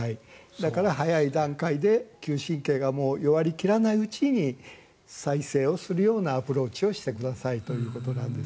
だから、早い段階で嗅神経が弱り切らないうちに再生をするようなアプローチをしてくださいということです。